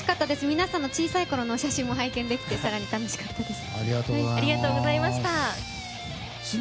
皆さんの小さいころのお写真も拝見できて更に楽しかったです。